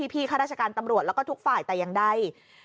ข้าราชการตำรวจแล้วก็ทุกฝ่ายแต่อย่างใด